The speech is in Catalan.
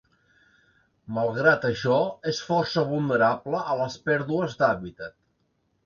Malgrat això, és força vulnerable a les pèrdues d'hàbitat.